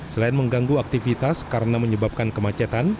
selain mengganggu aktivitas karena menyebabkan kemacetan